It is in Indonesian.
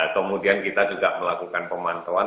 kemudian kita juga melakukan pemantauan